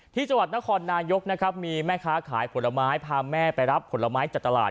ที่จังหวัดนครนายกนะครับมีแม่ค้าขายผลไม้พาแม่ไปรับผลไม้จากตลาด